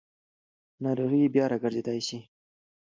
ناروغي بیا راګرځېدای شي.